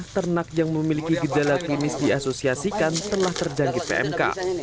ternak yang memiliki gejala klinis diasosiasikan telah terjangkit pmk